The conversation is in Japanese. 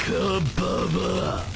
ババア。